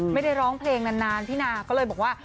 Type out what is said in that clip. ไม่ได้ร้องเพลงนานพี่นาก็เลยบอกว่า